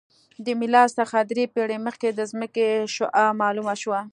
د میلاد څخه درې پېړۍ مخکې د ځمکې شعاع معلومه شوه